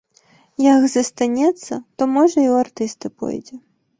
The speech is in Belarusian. Як застанецца, то, можа, і ў артысты пойдзе.